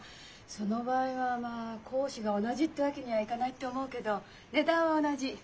その場合はまあ講師が同じってわけにはいかないと思うけど値段は同じ。